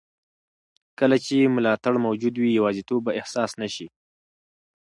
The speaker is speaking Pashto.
کله چې ملاتړ موجود وي، یوازیتوب به احساس نه شي.